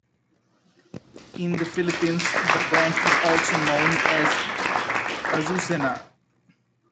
In the Philippines, the plant is also known as "azucena".